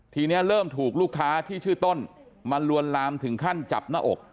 ทีนี้เริ่มถูกลูกค้าที่ชื่อต้นมาลวนลามถึงขั้นจับหน้าอก